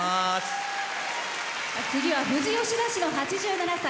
次は富士吉田市の８７歳。